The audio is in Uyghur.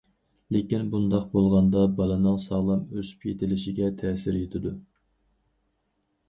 لېكىن بۇنداق بولغاندا بالىنىڭ ساغلام ئۆسۈپ يېتىلىشىگە تەسىر يېتىدۇ.